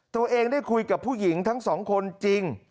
ตัวเองได้คุยกับผู้หญิงทั้งสองคนจริง